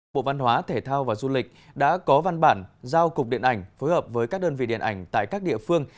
bộ văn hóa thể thao và du lịch đã có văn bản giao cục điện ảnh phối hợp với các đơn vị điện ảnh tại các địa phương